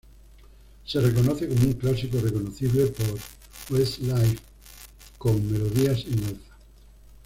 Se reconoce como un clásico reconocible por Westlife con melodías en alza.